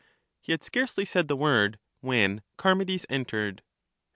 He had scarcely said the word, when Charmides entered.